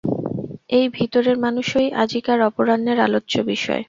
এই ভিতরের মানুষই আজিকার অপরাহ্ণের আলোচ্য বিষয়।